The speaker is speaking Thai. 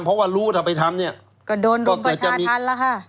เพราะว่ารู้ถ้าไปทำเนี่ยก็โดนรุมประชาธรรมแล้วค่ะ